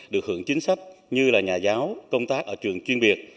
được hưởng chính sách như là nhà giáo công tác ở trường chuyên biệt